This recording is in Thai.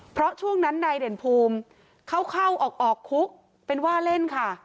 เพราะช่วงนั้นนายเด่นภูมิเข้าออกคุกเป็นว่าเล่นค่ะ